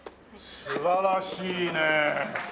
素晴らしいね！